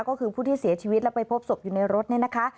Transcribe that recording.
ก็คือผู้ที่เสียชีวิตแล้วไปพบศพอยู่ในรถนี่นะคะ